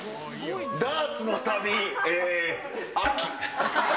ダーツの旅、秋。